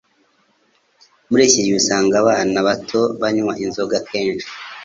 Muri iki gihe usanga abana bato banywa inzoga kenshi